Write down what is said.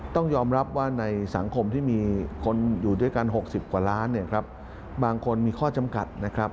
ต้องยอมรับว่าในสังคมที่มีคนอยู่ด้วยกัน๖๐กว่าล้านบางคนมีข้อจำกัด